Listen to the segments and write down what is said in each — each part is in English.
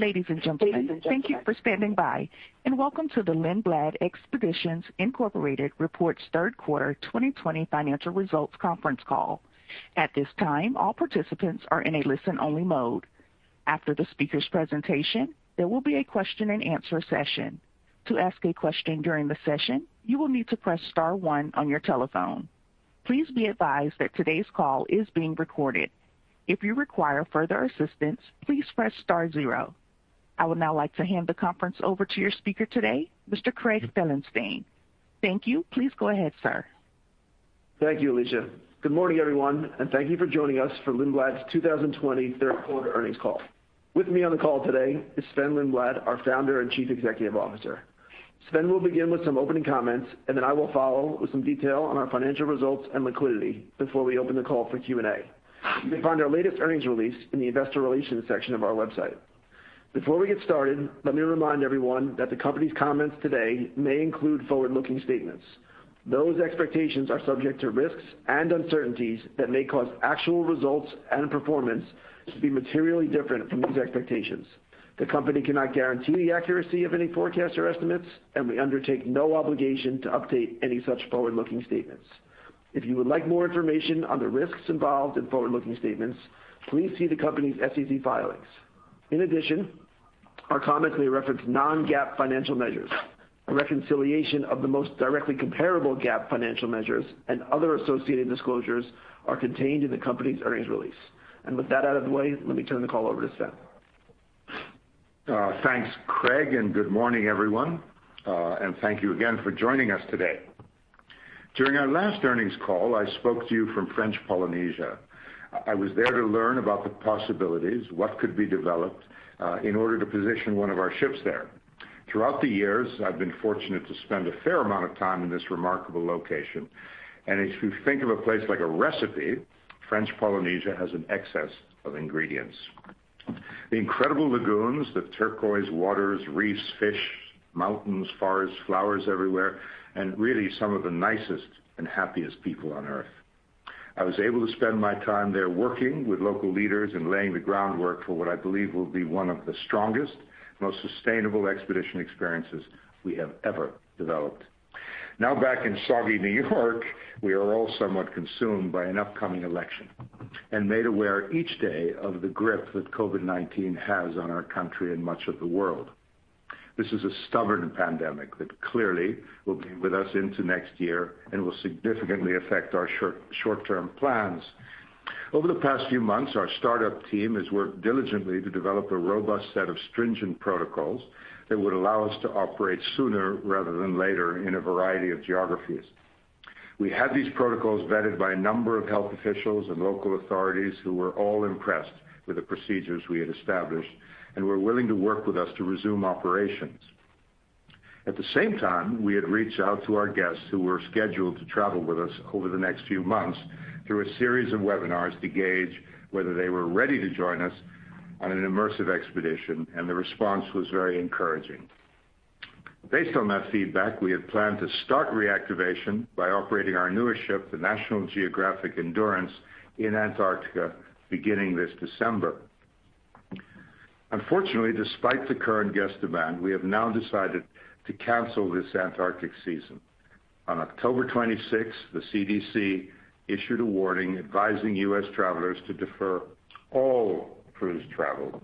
Ladies and gentlemen, thank you for standing by, and welcome to the Lindblad Expeditions Incorporated Reports Third Quarter 2020 Financial Results Conference Call. At this time all participants are in a listen only mode. After the speakers presentation there will be a question and answer session. To ask a question during the session, you will need to press star one on your telephone. Please be advised that today's call is being recorded. If you require further assistance please press star zero. I would now like to hand the conference over to your speaker today, Mr. Craig Felenstein. Thank you. Please go ahead, sir. Thank you, Alicia. Good morning, everyone, and thank you for joining us for Lindblad's 2020 third quarter earnings call. With me on the call today is Sven Lindblad, our Founder and Chief Executive Officer. Sven will begin with some opening comments. Then I will follow with some detail on our financial results and liquidity before we open the call for Q&A. You can find our latest earnings release in the investor relations section of our website. Before we get started, let me remind everyone that the company's comments today may include forward-looking statements. Those expectations are subject to risks and uncertainties that may cause actual results and performance to be materially different from these expectations. The company cannot guarantee the accuracy of any forecasts or estimates. We undertake no obligation to update any such forward-looking statements. If you would like more information on the risks involved in forward-looking statements, please see the company's SEC filings. In addition, our comments may reference non-GAAP financial measures. A reconciliation of the most directly comparable GAAP financial measures and other associated disclosures are contained in the company's earnings release. With that out of the way, let me turn the call over to Sven. Thanks, Craig, good morning, everyone. Thank you again for joining us today. During our last earnings call, I spoke to you from French Polynesia. I was there to learn about the possibilities, what could be developed, in order to position one of our ships there. Throughout the years, I've been fortunate to spend a fair amount of time in this remarkable location. If you think of a place like a recipe, French Polynesia has an excess of ingredients. The incredible lagoons, the turquoise waters, reefs, fish, mountains, forests, flowers everywhere, and really some of the nicest and happiest people on Earth. I was able to spend my time there working with local leaders and laying the groundwork for what I believe will be one of the strongest, most sustainable expedition experiences we have ever developed. Now back in soggy New York we are all somewhat consumed by an upcoming election and made aware each day of the grip that COVID-19 has on our country and much of the world. This is a stubborn pandemic that clearly will be with us into next year and will significantly affect our short-term plans. Over the past few months, our startup team has worked diligently to develop a robust set of stringent protocols that would allow us to operate sooner rather than later in a variety of geographies. We had these protocols vetted by a number of health officials and local authorities who were all impressed with the procedures we had established and were willing to work with us to resume operations. At the same time, we had reached out to our guests who were scheduled to travel with us over the next few months through a series of webinars to gauge whether they were ready to join us on an immersive expedition, and the response was very encouraging. Based on that feedback, we had planned to start reactivation by operating our newer ship, the National Geographic Endurance, in Antarctica beginning this December. Unfortunately, despite the current guest demand, we have now decided to cancel this Antarctic season. On October 26th, the CDC issued a warning advising U.S. travelers to defer all cruise travel.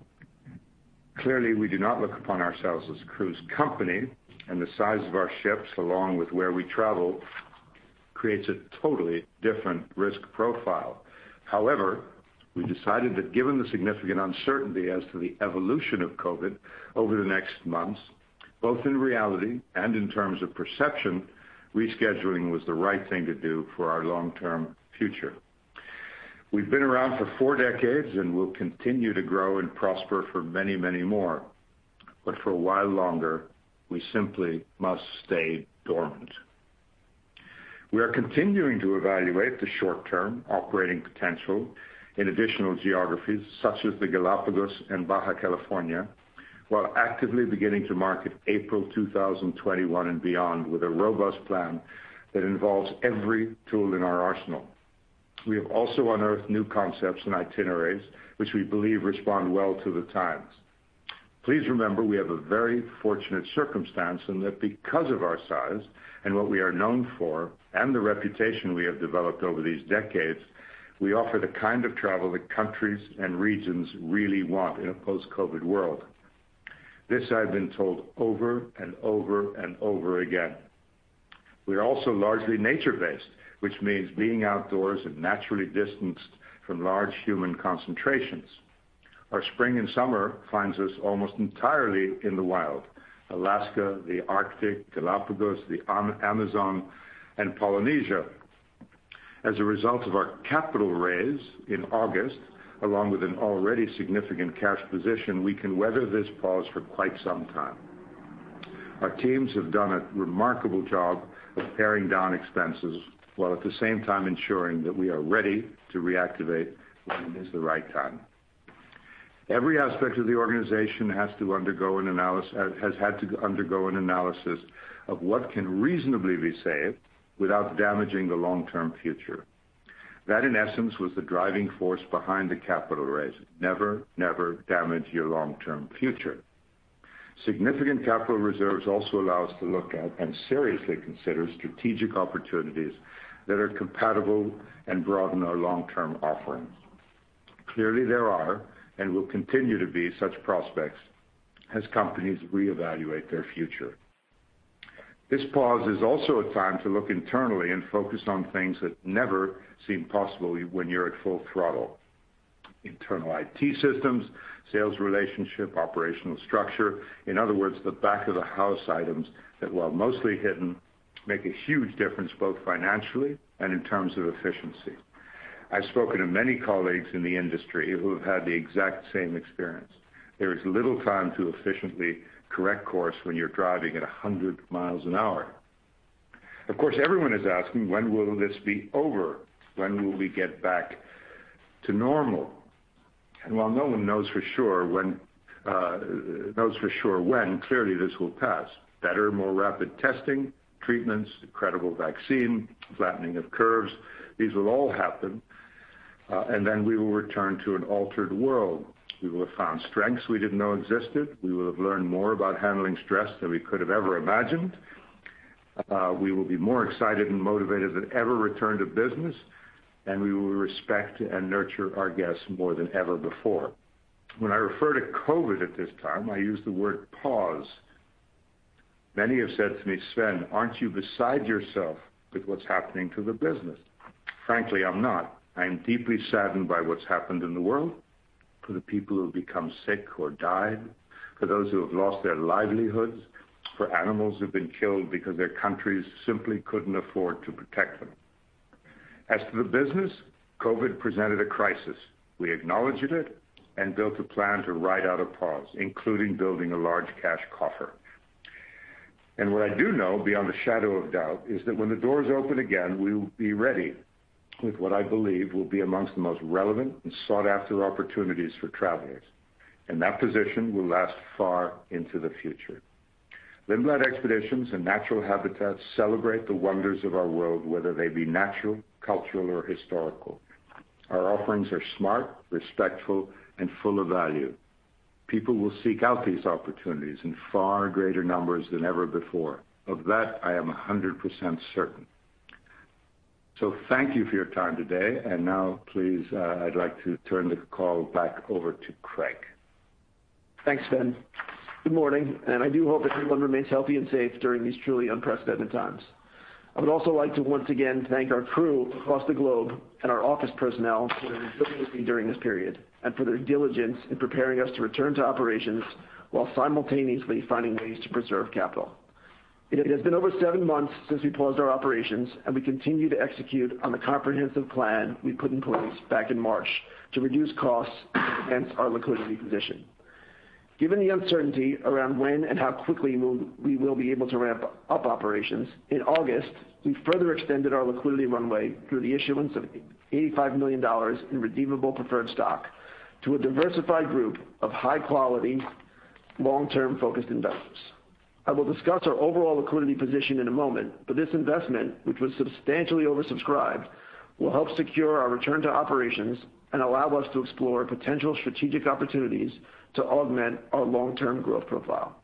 Clearly, we do not look upon ourselves as a cruise company, and the size of our ships along with where we travel creates a totally different risk profile. We decided that given the significant uncertainty as to the evolution of COVID over the next months, both in reality and in terms of perception, rescheduling was the right thing to do for our long-term future. We've been around for four decades and will continue to grow and prosper for many, many more. For a while longer, we simply must stay dormant. We are continuing to evaluate the short-term operating potential in additional geographies such as the Galapagos and Baja California, while actively beginning to market April 2021 and beyond with a robust plan that involves every tool in our arsenal. We have also unearthed new concepts and itineraries which we believe respond well to the times. Please remember we have a very fortunate circumstance in that because of our size and what we are known for and the reputation we have developed over these decades, we offer the kind of travel that countries and regions really want in a post-COVID world. This I've been told over and over and over again. We are also largely nature-based, which means being outdoors and naturally distanced from large human concentrations. Our spring and summer finds us almost entirely in the wild: Alaska, the Arctic, Galapagos, the Amazon, and Polynesia. As a result of our capital raise in August, along with an already significant cash position, we can weather this pause for quite some time. Our teams have done a remarkable job of paring down expenses, while at the same time ensuring that we are ready to reactivate when it is the right time. Every aspect of the organization has had to undergo an analysis of what can reasonably be saved without damaging the long-term future. That in essence was the driving force behind the capital raise. Never damage your long-term future. Significant capital reserves also allow us to look at and seriously consider strategic opportunities that are compatible and broaden our long-term offerings. Clearly, there are and will continue to be such prospects as companies reevaluate their future. This pause is also a time to look internally and focus on things that never seem possible when you're at full throttle. Internal IT systems, sales relationship, operational structure. In other words, the back-of-the-house items that, while mostly hidden, make a huge difference both financially and in terms of efficiency. I've spoken to many colleagues in the industry who have had the exact same experience. There is little time to efficiently correct course when you're driving at 100 miles an hour. Of course, everyone is asking, when will this be over? When will we get back to normal? While no one knows for sure when, clearly this will pass. Better, more rapid testing, treatments, credible vaccine, flattening of curves, these will all happen, and then we will return to an altered world. We will have found strengths we didn't know existed. We will have learned more about handling stress than we could have ever imagined. We will be more excited and motivated than ever return to business, and we will respect and nurture our guests more than ever before. When I refer to COVID at this time, I use the word pause. Many have said to me, "Sven, aren't you beside yourself with what's happening to the business?" Frankly, I'm not. I'm deeply saddened by what's happened in the world, for the people who have become sick or died, for those who have lost their livelihoods, for animals who've been killed because their countries simply couldn't afford to protect them. As to the business, COVID presented a crisis. We acknowledged it and built a plan to ride out a pause, including building a large cash coffer. What I do know, beyond a shadow of doubt, is that when the doors open again, we will be ready with what I believe will be amongst the most relevant and sought-after opportunities for travelers. That position will last far into the future. Lindblad Expeditions and Natural Habitat celebrate the wonders of our world, whether they be natural, cultural, or historical. Our offerings are smart, respectful, and full of value. People will seek out these opportunities in far greater numbers than ever before. Of that, I am 100% certain. Thank you for your time today, and now please, I'd like to turn the call back over to Craig. Thanks, Sven. Good morning, and I do hope everyone remains healthy and safe during these truly unprecedented times. I would also like to once again thank our crew across the globe and our office personnel for their resiliency during this period, and for their diligence in preparing us to return to operations while simultaneously finding ways to preserve capital. It has been over seven months since we paused our operations, and we continue to execute on the comprehensive plan we put in place back in March to reduce costs and enhance our liquidity position. Given the uncertainty around when and how quickly we will be able to ramp up operations, in August, we further extended our liquidity runway through the issuance of $85 million in redeemable preferred stock to a diversified group of high-quality, long-term-focused investors. I will discuss our overall liquidity position in a moment, but this investment, which was substantially oversubscribed, will help secure our return to operations and allow us to explore potential strategic opportunities to augment our long-term growth profile.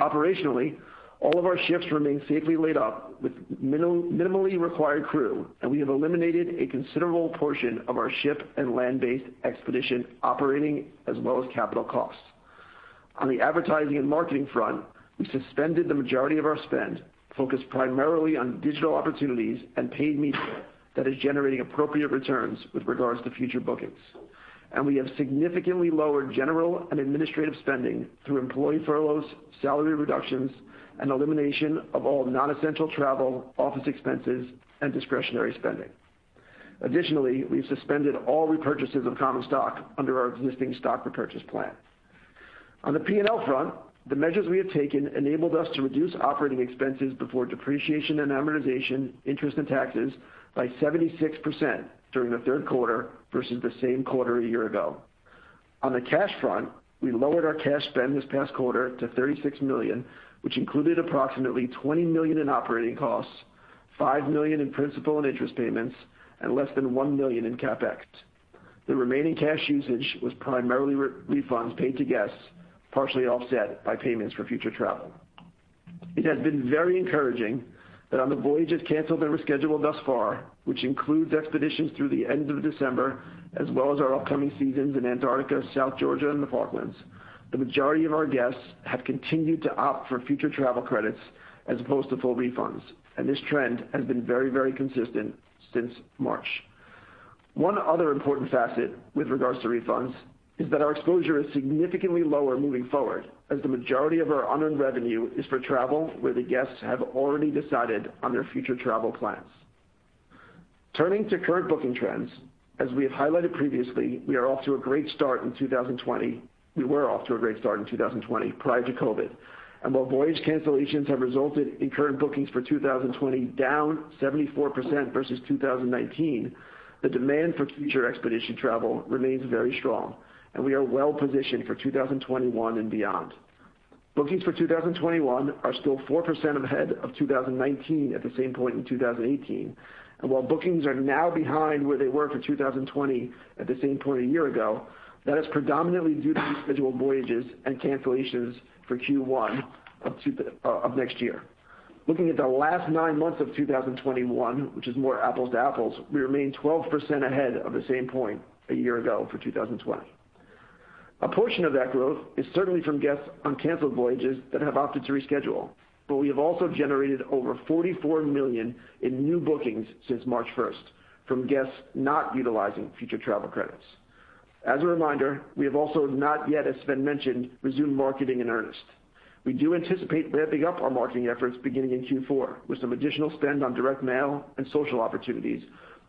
Operationally, all of our ships remain safely laid up with minimally required crew, and we have eliminated a considerable portion of our ship and land-based expedition operating as well as capital costs. On the advertising and marketing front, we suspended the majority of our spend, focused primarily on digital opportunities and paid media that is generating appropriate returns with regards to future bookings. We have significantly lowered general and administrative spending through employee furloughs, salary reductions, and elimination of all non-essential travel, office expenses, and discretionary spending. Additionally, we've suspended all repurchases of common stock under our existing stock repurchase plan. On the P&L front, the measures we have taken enabled us to reduce operating expenses before depreciation and amortization, interest, and taxes by 76% during the third quarter versus the same quarter a year ago. On the cash front, we lowered our cash spend this past quarter to $36 million, which included approximately $20 million in operating costs, $5 million in principal and interest payments, and less than $1 million in CapEx. The remaining cash usage was primarily refunds paid to guests, partially offset by payments for future travel. It has been very encouraging that on the voyages canceled and rescheduled thus far, which includes expeditions through the end of December, as well as our upcoming seasons in Antarctica, South Georgia, and the Falklands, the majority of our guests have continued to opt for future travel credits as opposed to full refunds, and this trend has been very consistent since March. One other important facet with regards to refunds is that our exposure is significantly lower moving forward, as the majority of our unearned revenue is for travel where the guests have already decided on their future travel plans. Turning to current booking trends, as we have highlighted previously, we are off to a great start in 2020. We were off to a great start in 2020 prior to COVID. While voyage cancellations have resulted in current bookings for 2020 down 74% versus 2019, the demand for future expedition travel remains very strong, and we are well positioned for 2021 and beyond. Bookings for 2021 are still 4% ahead of 2019 at the same point in 2018. While bookings are now behind where they were for 2020 at the same point a year ago, that is predominantly due to rescheduled voyages and cancellations for Q1 of next year. Looking at the last nine months of 2021, which is more apples to apples, we remain 12% ahead of the same point a year ago for 2020. A portion of that growth is certainly from guests on canceled voyages that have opted to reschedule, but we have also generated over $44 million in new bookings since March 1st, from guests not utilizing future travel credits. As a reminder, we have also not yet, as Sven mentioned, resumed marketing in earnest. We do anticipate ramping up our marketing efforts beginning in Q4, with some additional spend on direct mail and social opportunities,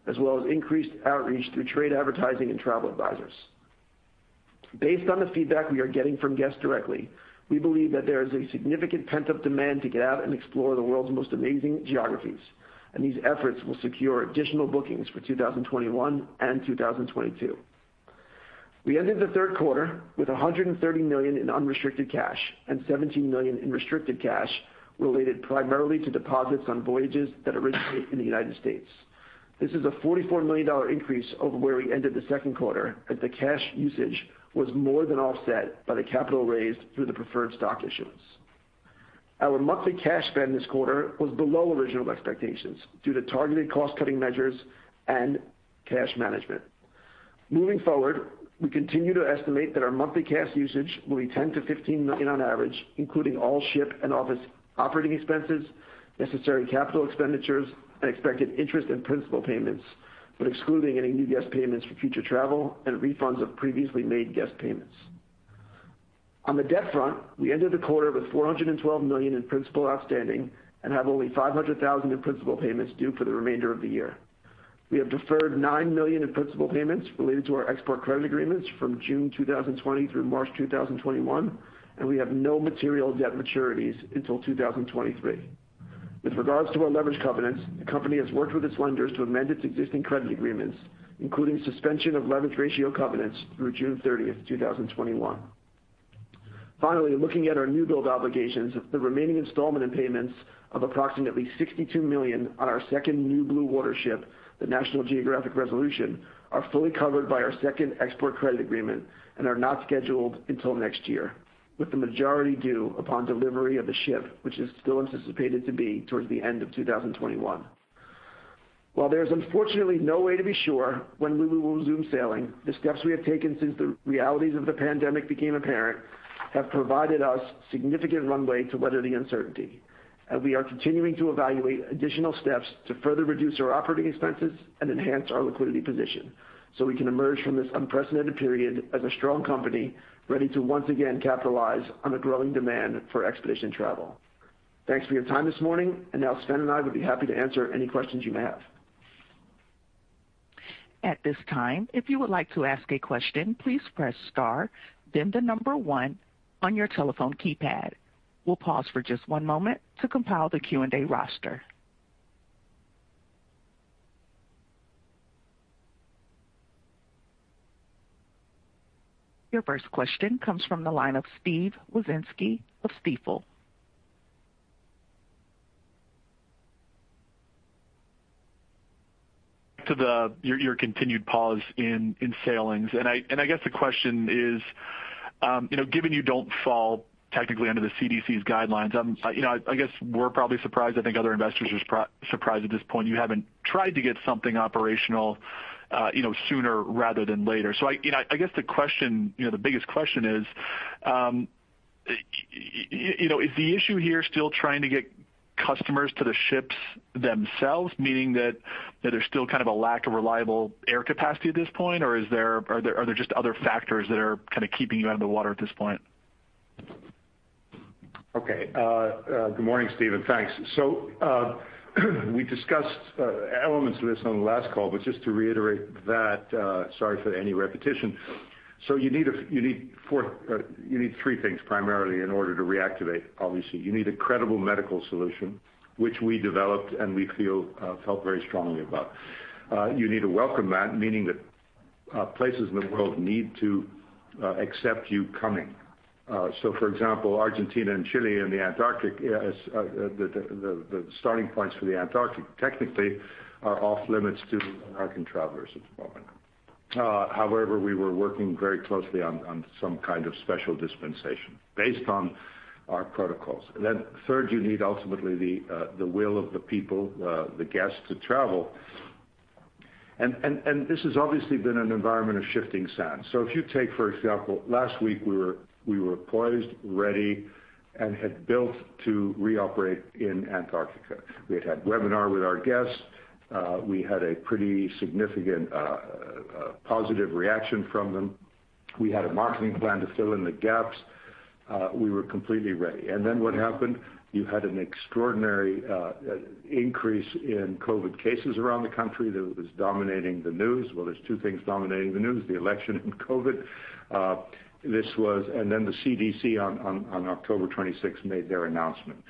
as well as increased outreach through trade advertising and travel advisors. Based on the feedback we are getting from guests directly, we believe that there is a significant pent-up demand to get out and explore the world's most amazing geographies, and these efforts will secure additional bookings for 2021 and 2022. We ended the third quarter with $130 million in unrestricted cash and $17 million in restricted cash related primarily to deposits on voyages that originate in the U.S. This is a $44 million increase over where we ended the second quarter, as the cash usage was more than offset by the capital raised through the preferred stock issuance. Our monthly cash spend this quarter was below original expectations due to targeted cost-cutting measures and cash management. Moving forward, we continue to estimate that our monthly cash usage will be $10 million-$15 million on average, including all ship and office operating expenses, necessary capital expenditures, and expected interest in principal payments, but excluding any new guest payments for future travel and refunds of previously made guest payments. On the debt front, we ended the quarter with $412 million in principal outstanding and have only $500,000 in principal payments due for the remainder of the year. We have deferred $9 million in principal payments related to our export credit agreements from June 2020 through March 2021, and we have no material debt maturities until 2023. With regards to our leverage covenants, the company has worked with its lenders to amend its existing credit agreements, including suspension of leverage ratio covenants through June 30th, 2021. Finally, looking at our new build obligations, the remaining installment in payments of approximately $62 million on our second new bluewater ship, the National Geographic Resolution, are fully covered by our second export credit agreement and are not scheduled until next year, with the majority due upon delivery of the ship, which is still anticipated to be towards the end of 2021. While there is unfortunately no way to be sure when we will resume sailing, the steps we have taken since the realities of the pandemic became apparent have provided us significant runway to weather the uncertainty. We are continuing to evaluate additional steps to further reduce our operating expenses and enhance our liquidity position so we can emerge from this unprecedented period as a strong company, ready to once again capitalize on the growing demand for expedition travel. Thanks for your time this morning, now Sven and I would be happy to answer any questions you may have. At this time, if you would like to ask a question, please press star, then the number one on your telephone keypad. We'll pause for just one moment to compile the Q&A roster. Your first question comes from the line of Steve Wieczynski of Stifel. To your continued pause in sailings, I guess the question is, given you don't fall technically under the CDC's guidelines, I guess we're probably surprised, I think other investors are surprised at this point you haven't tried to get something operational sooner rather than later. I guess the biggest question is the issue here still trying to get customers to the ships themselves? Meaning that there's still kind of a lack of reliable air capacity at this point, or are there just other factors that are kind of keeping you out of the water at this point? Good morning, Steve, and thanks. We discussed elements of this on the last call, but just to reiterate that, sorry for any repetition. You need three things primarily in order to reactivate, obviously. You need a credible medical solution, which we developed and we felt very strongly about. You need to welcome that, meaning that places in the world need to accept you coming. For example, Argentina and Chile and the Antarctic, the starting points for the Antarctic, technically are off-limits to American travelers at the moment. However, we were working very closely on some kind of special dispensation based on our protocols. Third, you need ultimately the will of the people, the guests, to travel. This has obviously been an environment of shifting sand. If you take, for example, last week, we were poised, ready, and had built to reoperate in Antarctica. We had had webinar with our guests. We had a pretty significant positive reaction from them. We had a marketing plan to fill in the gaps. We were completely ready. Then what happened? You had an extraordinary increase in COVID cases around the country that was dominating the news. Well, there's two things dominating the news, the election and COVID. Then the CDC on October 26th made their announcement.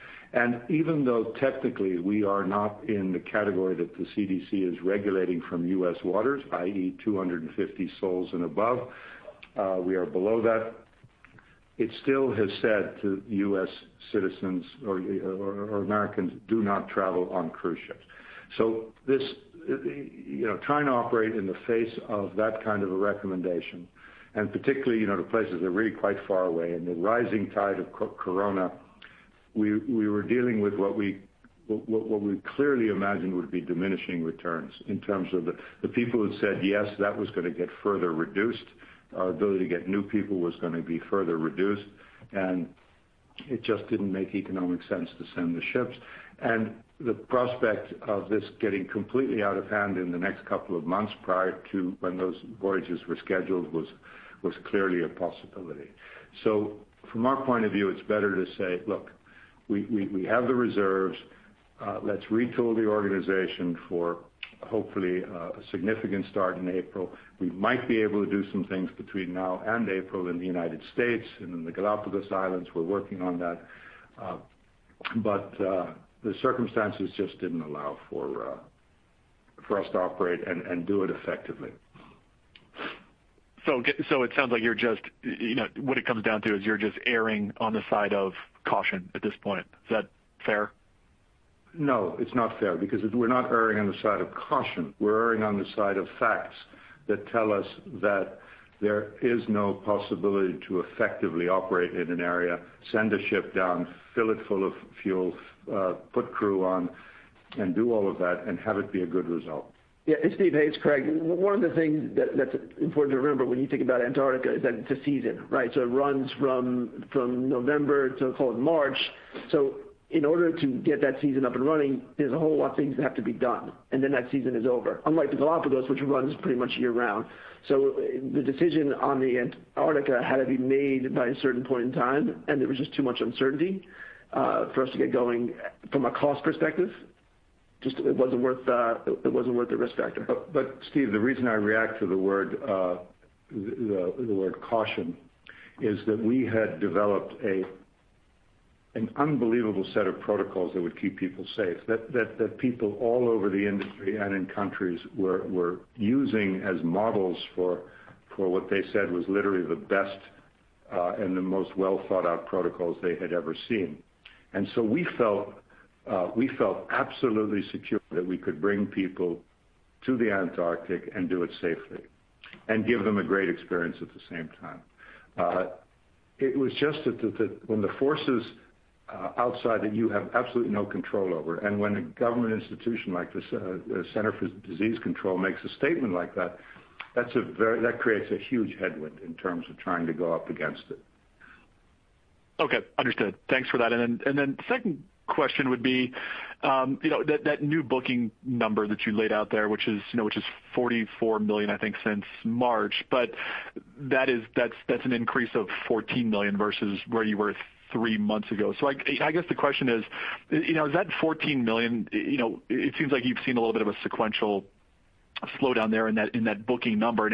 Even though technically we are not in the category that the CDC is regulating from U.S. waters, i.e., 250 souls and above, we are below that. It still has said to U.S. citizens or Americans, do not travel on cruise ships. Trying to operate in the face of that kind of a recommendation, and particularly, the places that are really quite far away, and the rising tide of COVID corona, we were dealing with what we clearly imagined would be diminishing returns in terms of the people who had said yes, that was going to get further reduced. Our ability to get new people was going to be further reduced, and it just didn't make economic sense to send the ships. The prospect of this getting completely out of hand in the next couple of months prior to when those voyages were scheduled was clearly a possibility. From our point of view, it's better to say, look, we have the reserves. Let's retool the organization for hopefully a significant start in April. We might be able to do some things between now and April in the United States and in the Galapagos Islands. We're working on that. The circumstances just didn't allow for us to operate and do it effectively. It sounds like what it comes down to is you're just erring on the side of caution at this point. Is that fair? No, it's not fair because we're not erring on the side of caution. We're erring on the side of facts that tell us that there is no possibility to effectively operate in an area, send a ship down, fill it full of fuel, put crew on, and do all of that, and have it be a good result. Yeah. Steve, hey, it's Craig. One of the things that's important to remember when you think about Antarctica is that it's a season, right? It runs from November to March. In order to get that season up and running, there's a whole lot of things that have to be done, and then that season is over. Unlike the Galapagos, which runs pretty much year-round. The decision on the Antarctica had to be made by a certain point in time, and there was just too much uncertainty for us to get going from a cost perspective. Just it wasn't worth the risk factor. Steve, the reason I react to the word caution is that we had developed an unbelievable set of protocols that would keep people safe, that people all over the industry and in countries were using as models for what they said was literally the best and the most well-thought-out protocols they had ever seen. We felt absolutely secure that we could bring people to the Antarctic and do it safely and give them a great experience at the same time. It was just that when the forces outside that you have absolutely no control over, and when a government institution like the Center for Disease Control makes a statement like that creates a huge headwind in terms of trying to go up against it. Okay, understood. Thanks for that. Second question would be that new booking number that you laid out there, which is $44 million, I think, since March, but that's an increase of $14 million versus where you were three months ago. I guess the question is that $14 million, it seems like you've seen a little bit of a sequential slowdown there in that booking number.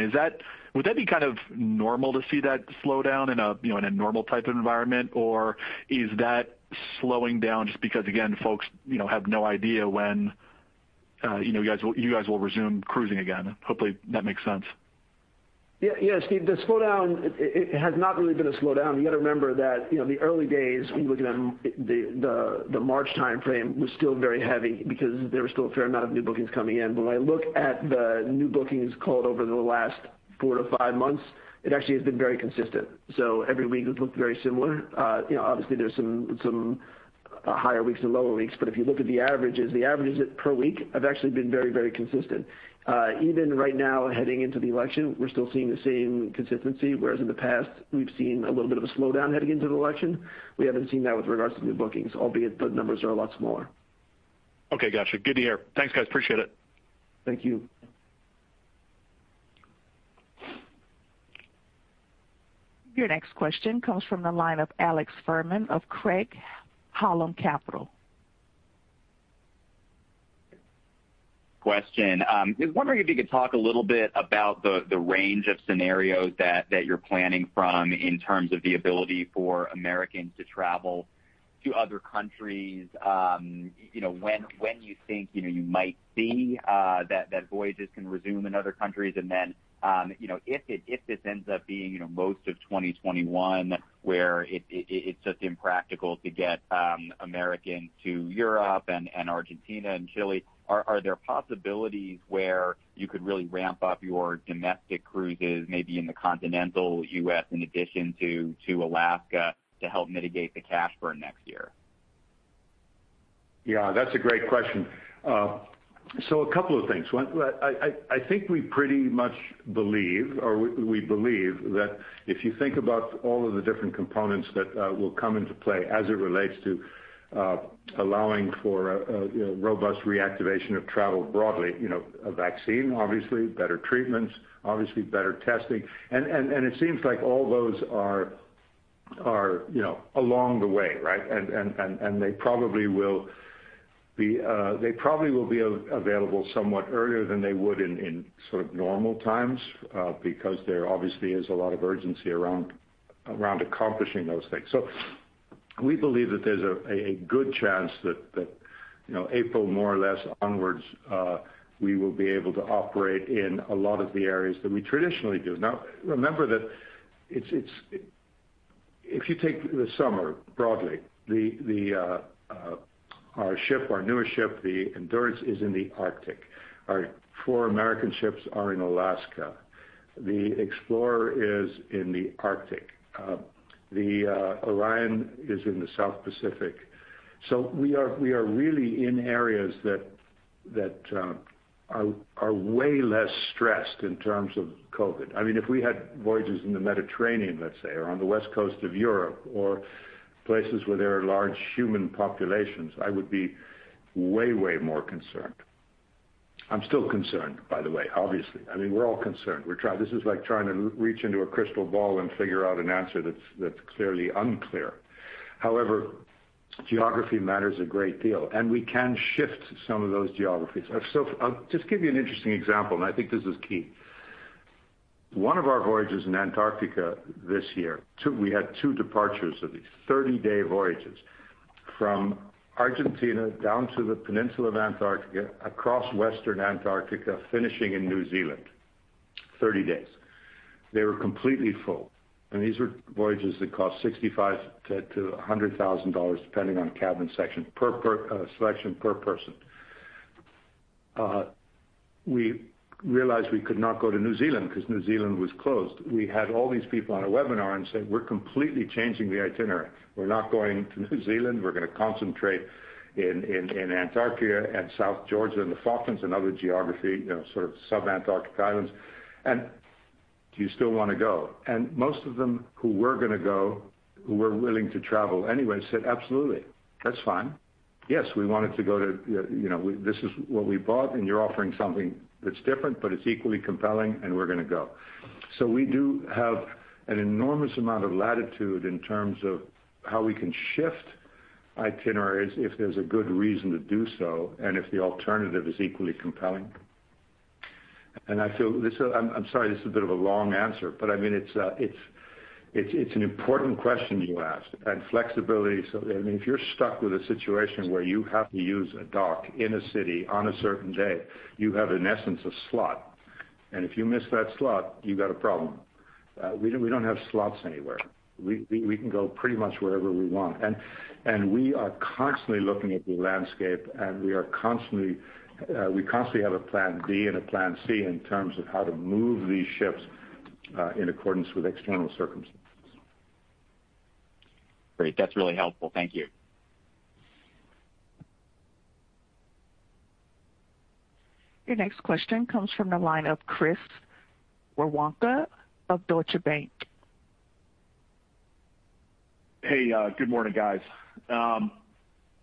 Would that be kind of normal to see that slowdown in a normal type of environment? Is that slowing down just because, again, folks have no idea when you guys will resume cruising again? Hopefully, that makes sense. Yeah. Steve, the slowdown has not really been a slowdown. You got to remember that the early days, when you look at the March timeframe, was still very heavy because there were still a fair amount of new bookings coming in. When I look at the new bookings called over the last four to five months, it actually has been very consistent. Every week it looked very similar. Obviously, there's some higher weeks and lower weeks, but if you look at the averages, the averages per week have actually been very consistent. Even right now, heading into the election, we're still seeing the same consistency, whereas in the past, we've seen a little bit of a slowdown heading into the election. We haven't seen that with regards to new bookings, albeit the numbers are a lot smaller. Okay, got you. Good to hear. Thanks, guys. Appreciate it. Thank you. Your next question comes from the line of Alex Fuhrman of Craig-Hallum Capital. Just wondering if you could talk a little bit about the range of scenarios that you're planning from in terms of the ability for Americans to travel to other countries. When you think you might see that voyages can resume in other countries and then if this ends up being most of 2021 where it's just impractical to get Americans to Europe and Argentina and Chile, are there possibilities where you could really ramp up your domestic cruises, maybe in the continental U.S. in addition to Alaska to help mitigate the cash burn next year? Yeah, that's a great question. A couple of things. One, I think we pretty much believe or we believe that if you think about all of the different components that will come into play as it relates to allowing for a robust reactivation of travel broadly, a vaccine, obviously, better treatments, obviously better testing. It seems like all those are along the way, right? They probably will be available somewhat earlier than they would in sort of normal times because there obviously is a lot of urgency around accomplishing those things. We believe that there's a good chance that April more or less onwards, we will be able to operate in a lot of the areas that we traditionally do. Now, remember that if you take the summer broadly, our newer ship, the Endurance, is in the Arctic. Our four American ships are in Alaska. The Explorer is in the Arctic. The Orion is in the South Pacific. We are really in areas that are way less stressed in terms of COVID. If we had voyages in the Mediterranean, let's say, or on the west coast of Europe, or places where there are large human populations, I would be way more concerned. I'm still concerned, by the way, obviously. We're all concerned. This is like trying to reach into a crystal ball and figure out an answer that's clearly unclear. However, geography matters a great deal, and we can shift some of those geographies. I'll just give you an interesting example, and I think this is key. One of our voyages in Antarctica this year, we had two departures of these 30-day voyages from Argentina down to the peninsula of Antarctica, across Western Antarctica, finishing in New Zealand. 30 days. They were completely full, these were voyages that cost $65,000-$100,000, depending on cabin section, per selection, per person. We realized we could not go to New Zealand because New Zealand was closed. We had all these people on a webinar and said, "We're completely changing the itinerary. We're not going to New Zealand. We're going to concentrate in Antarctica and South Georgia and the Falklands and other geography, sort of sub-Antarctic islands." Do you still want to go? Most of them who were going to go, who were willing to travel anyway, said, "Absolutely. That's fine. Yes, we wanted to go to This is what we bought, and you're offering something that's different, but it's equally compelling, and we're going to go. We do have an enormous amount of latitude in terms of how we can shift itineraries if there's a good reason to do so, and if the alternative is equally compelling. I feel, I'm sorry, this is a bit of a long answer, but it's an important question you asked. Flexibility, so if you're stuck with a situation where you have to use a dock in a city on a certain day, you have in essence a slot. If you miss that slot, you've got a problem. We don't have slots anywhere. We can go pretty much wherever we want. We are constantly looking at the landscape, and we constantly have a plan B and a plan C in terms of how to move these ships in accordance with external circumstances. Great. That's really helpful. Thank you. Your next question comes from the line of Chris Woronka of Deutsche Bank. Hey, good morning, guys.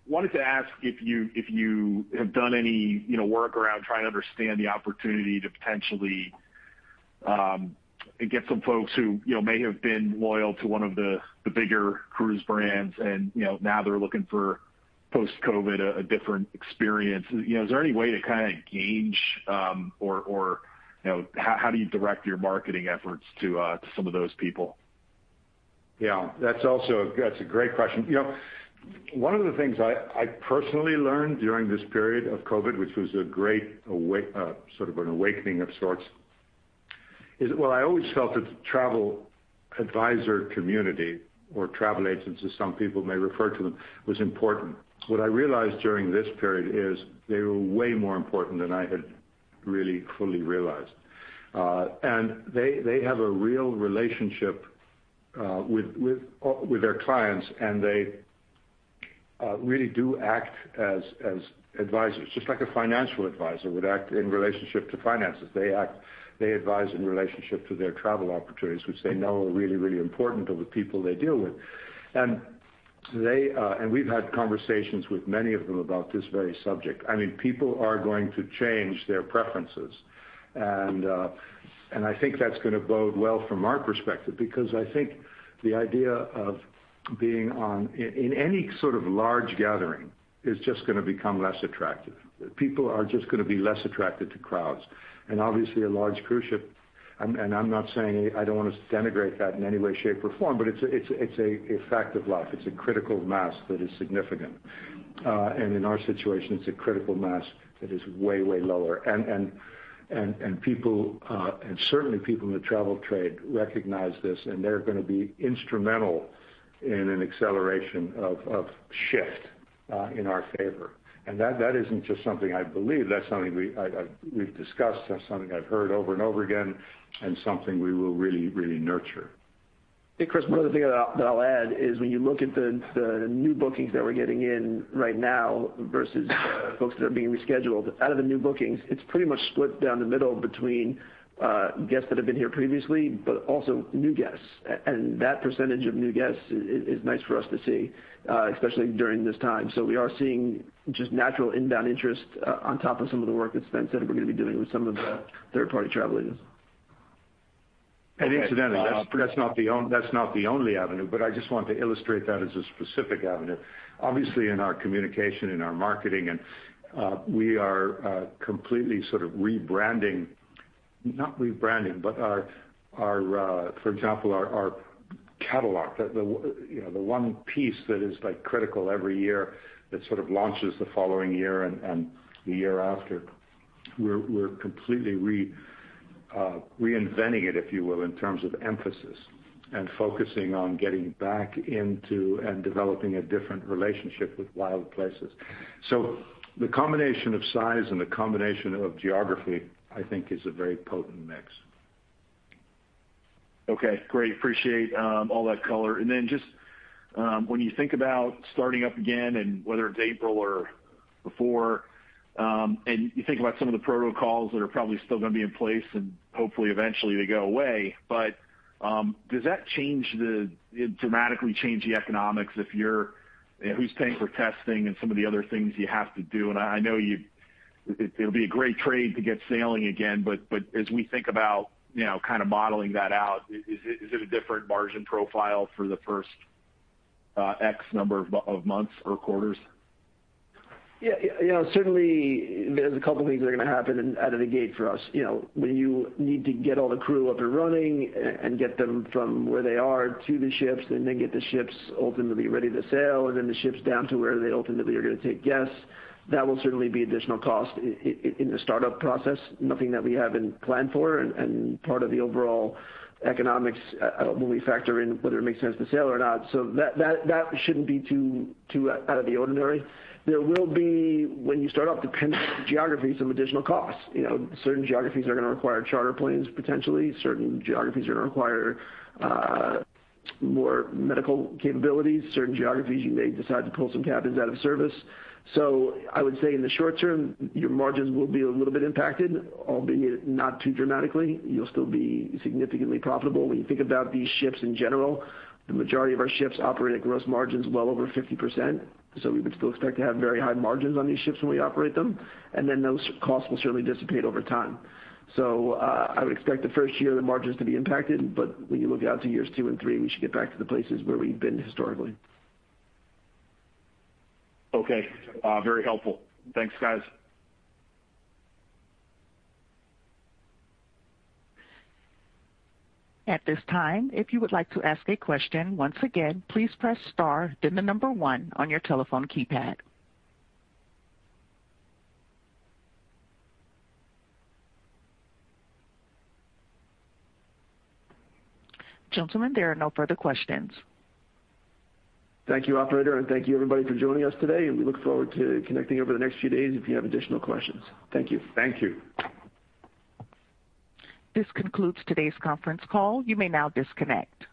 Wanted to ask if you have done any work around trying to understand the opportunity to potentially get some folks who may have been loyal to one of the bigger cruise brands, and now they're looking for post-COVID, a different experience. Is there any way to kind of gauge or how do you direct your marketing efforts to some of those people? Yeah. That's a great question. One of the things I personally learned during this period of COVID, which was a great sort of an awakening of sorts, is while I always felt that the travel advisor community or travel agents as some people may refer to them, was important. What I realized during this period is they were way more important than I had really fully realized. They have a real relationship with their clients, and they really do act as advisors. Just like a financial advisor would act in relationship to finances, they advise in relationship to their travel opportunities, which they know are really important to the people they deal with. We've had conversations with many of them about this very subject. People are going to change their preferences, and I think that's going to bode well from our perspective because I think the idea of being in any sort of large gathering is just going to become less attractive. People are just going to be less attracted to crowds. Obviously, a large cruise ship, and I'm not saying, I don't want to denigrate that in any way, shape, or form, but it's a fact of life. It's a critical mass that is significant. In our situation, it's a critical mass that is way lower. Certainly people in the travel trade recognize this, and they're going to be instrumental in an acceleration of shift in our favor. That isn't just something I believe, that's something we've discussed, that's something I've heard over and over again, and something we will really nurture. Hey, Chris, one other thing that I'll add is when you look at the new bookings that we're getting in right now versus folks that are being rescheduled, out of the new bookings, it's pretty much split down the middle between guests that have been here previously, but also new guests. That percentage of new guests is nice for us to see, especially during this time. We are seeing just natural inbound interest on top of some of the work that Sven said we're going to be doing with some of the third-party travel agents. Incidentally, that's not the only avenue, but I just want to illustrate that as a specific avenue. Obviously, in our communication, in our marketing, we are completely sort of rebranding, not rebranding, but for example, our catalog, the one piece that is critical every year that sort of launches the following year and the year after. We're completely reinventing it, if you will, in terms of emphasis and focusing on getting back into and developing a different relationship with wild places. The combination of size and the combination of geography, I think, is a very potent mix. Okay, great. Appreciate all that color. Just when you think about starting up again, and whether it's April or before, and you think about some of the protocols that are probably still going to be in place and hopefully eventually they go away, but does that dramatically change the economics if you're who's paying for testing and some of the other things you have to do? I know it'll be a great trade to get sailing again. As we think about kind of modeling that out, is it a different margin profile for the first X number of months or quarters? Yeah. Certainly, there's a couple things that are going to happen out of the gate for us. When you need to get all the crew up and running and get them from where they are to the ships, and then get the ships ultimately ready to sail, and then the ships down to where they ultimately are going to take guests, that will certainly be additional cost in the startup process, nothing that we haven't planned for and part of the overall economics when we factor in whether it makes sense to sail or not. That shouldn't be too out of the ordinary. There will be, when you start up, depending on the geographies, some additional costs. Certain geographies are going to require charter planes, potentially. Certain geographies are going to require more medical capabilities. Certain geographies, you may decide to pull some cabins out of service. I would say in the short term, your margins will be a little bit impacted, albeit not too dramatically. You'll still be significantly profitable. When you think about these ships in general, the majority of our ships operate at gross margins well over 50%, we would still expect to have very high margins on these ships when we operate them, those costs will certainly dissipate over time. I would expect the first year the margins to be impacted, when you look out to years two and three, we should get back to the places where we've been historically. Okay. Very helpful. Thanks, guys. At this time if you would like to ask a question once again please press star then the number one on your telephone keypad. Gentlemen, there are no further questions. Thank you, operator, and thank you everybody for joining us today, and we look forward to connecting over the next few days if you have additional questions. Thank you. Thank you. This concludes today's conference call. You may now disconnect.